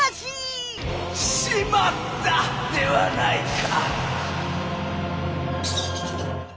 「しまった！」ではないか！